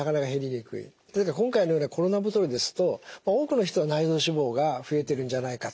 今回のようなコロナ太りですと多くの人が内臓脂肪が増えているんじゃないかと。